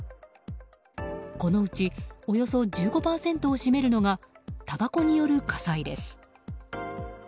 このうちおよそ１５％を占めるのがたばこによる火災です。